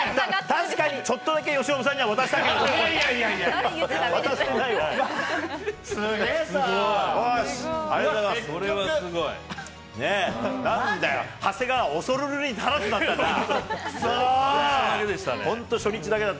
確かに、ちょっとだけ由伸さんには渡したけど。